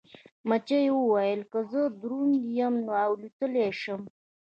مچۍ وویل چې که زه دروند یم نو الوتلی شم.